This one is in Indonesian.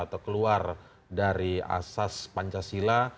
atau keluar dari asas pancasila